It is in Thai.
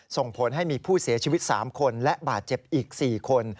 ส่งผลให้มีผู้เสียชีวิต๓คนและบาดเจ็บอีก๔คน